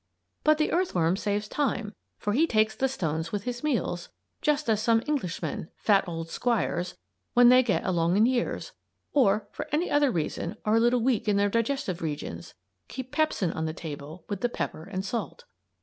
But the earthworm saves time, for he takes the stones with his meals; just as some Englishmen, fat old squires, when they get along in years, or for any other reason are a little weak in their digestive regions keep pepsin on the table with the pepper and salt.